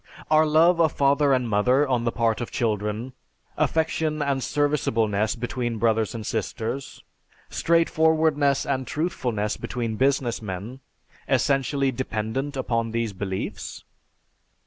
Are love of father and mother on the part of children, affection and serviceableness between brothers and sisters, straight forwardness and truthfulness between business men, essentially dependent upon these beliefs?